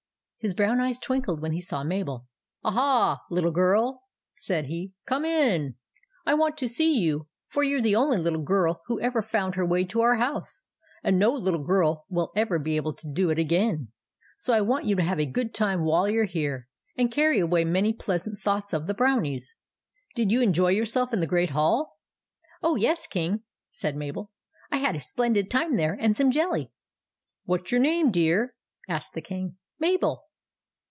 His brown eyes twinkled when he saw Mabel. " Aha, little girl," said he ;" come in ! I want to see you, for you 're the only little girl who ever found her way to our house, and no little girl will ever be able to do it again ; so I want you to have a good time while you Ye here, and carry away many pleasant thoughts of the Brownies. Did you enjoy yourself in the Great Hall ?"" Oh, yes, King," said Mabel. " I had a splendid time there, and some jelly." " What 's your name, my dear ?" asked the King. Mabel."